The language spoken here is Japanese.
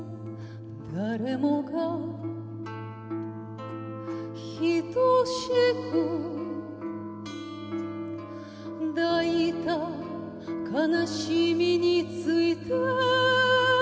「誰もが等しく抱いた悲しみについて」